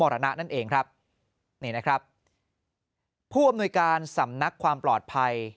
นั่นเองครับนี่นะครับผู้อำนวยการสำนักความปลอดภัย